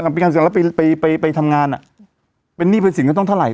มีการสินการแล้วไปไปไปทำงานอ่ะเป็นนี่เป็นสินก็ต้องเท่าไหร่